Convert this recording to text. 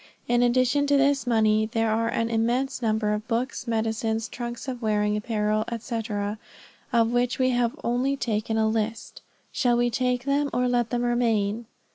In addition to this money, there are an immense number of books, medicines, trunks of wearing apparel, &c., of which we have only taken a list. Shall we take them or let them remain?'